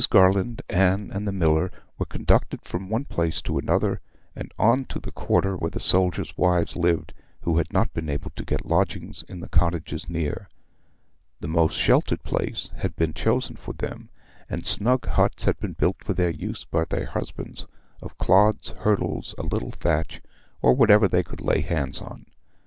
Garland, Anne, and the miller were conducted from one place to another, and on to the quarter where the soldiers' wives lived who had not been able to get lodgings in the cottages near. The most sheltered place had been chosen for them, and snug huts had been built for their use by their husbands, of clods, hurdles, a little thatch, or whatever they could lay hands on.